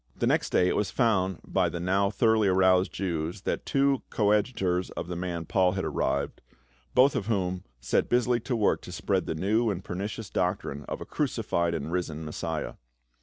The next day it was found by the now thoroughly aroused Jews that two coadjutors of the man Paul had arrived, both of whom set busily to work to spread the new and pernicious doctrine of a crucified and risen Messiah.